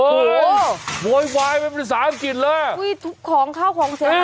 โอ้โหวายวายมันเป็นศาลอังกฤษเลยทุกของเข้าของ